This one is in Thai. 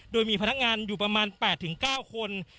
โดยมีพนักงานอยู่ประมาณ๘๙คน